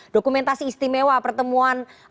dokumentasi istimewa pertemuan